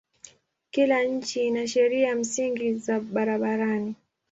Kila nchi ina sheria msingi za barabarani.